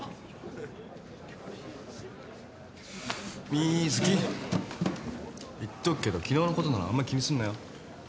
瑞稀言っとくけど昨日のことならあんま気にすんなよ。